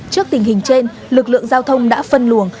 trước tình hình trên lực lượng giao thông đã phân luồng